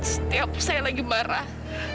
setiap saya lagi marah